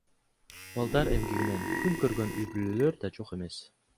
Балдар эмгегинен күн көргөн үй бүлөлөр да жок эмес.